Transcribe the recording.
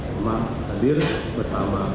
memang hadir bersama